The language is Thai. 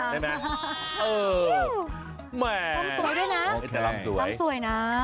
แต่ลำสวยนะ